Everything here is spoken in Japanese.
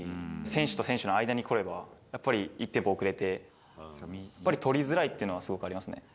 選手と選手の間に来れば、やっぱり１テンポ遅れて、やっぱり取りづらいっていうのは、すごくありますね。